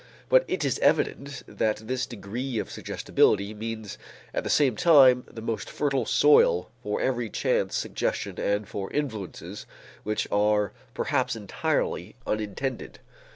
But it is evident that this degree of suggestibility means at the same time the most fertile soil for every chance suggestion and for influences which are perhaps entirely unintended.